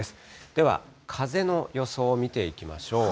では風の予想を見ていきましょう。